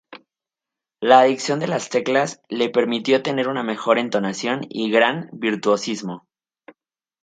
La adición de las teclas le permitió tener una mejor entonación y gran virtuosismo.